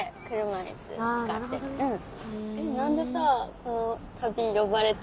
うん。